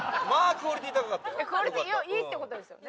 クオリティいいって事ですよね。